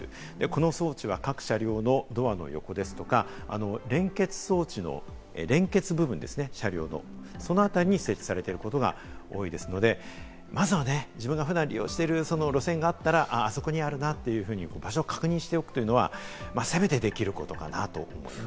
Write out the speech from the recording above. この装置は各車両のドアの横ですとか、連結部分ですね、そのあたりに設置されることが多いですので、まずは自分が普段利用している路線があったら、あそこにあるなというふうに場所を確認しておくことは、せめてできることかなと思います。